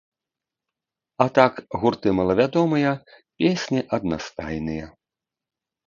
А так, гурты малавядомыя, песні аднастайныя.